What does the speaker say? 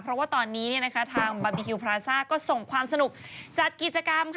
เพราะว่าตอนนี้ทางบาร์บีคิวพราซ่าก็ส่งความสนุกจัดกิจกรรมค่ะ